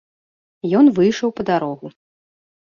Ён выйшаў па дарогу.